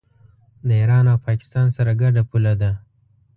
د ایران او پاکستان سره ګډه پوله ده.